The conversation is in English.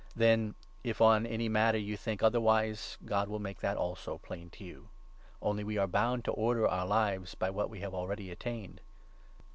Then, if on any matter you think otherwise, God will make that also plain to you. Only we are bound to order our lives by what we have 16 already attained.